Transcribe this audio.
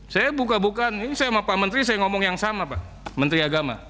saya buka bukaan ini saya sama pak menteri saya ngomong yang sama pak menteri agama